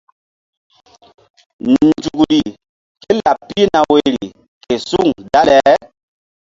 Nzukri kélaɓ pihna woyri ke suŋ dale.